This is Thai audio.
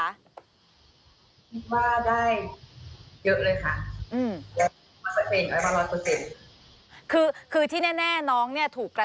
มันว่าได้เยอะเลยค่ะ